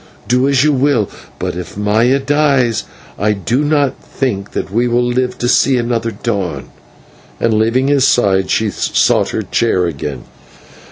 Do as you will, but if Maya dies I do not think that we shall live to see another dawn," and, leaving his side, she sought her chair again.